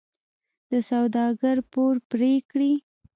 د سوداګر پور پرې کړي.